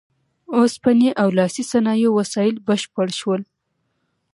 اوسپنې او لاسي صنایعو وسایل بشپړ شول.